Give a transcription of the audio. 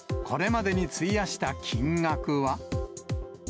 これまでに費やした金額は。